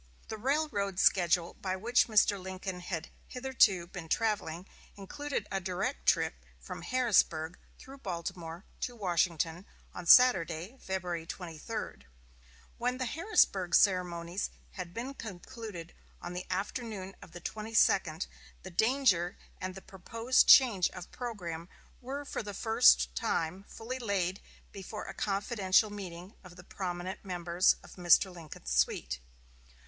The railroad schedule by which Mr. Lincoln had hitherto been traveling included a direct trip from Harrisburg, through Baltimore, to Washington on Saturday, February 23. When the Harrisburg ceremonies had been concluded on the afternoon of the 22d, the danger and the proposed change of program were for the first time fully laid before a confidential meeting of the prominent members of Mr. Lincoln's suite.